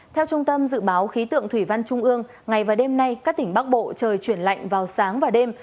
theo trung tâm dự báo khí tượng thủy văn trung ương ngày và đêm nay các tỉnh bắc bộ trời chuyển lạnh vào sáng và đêm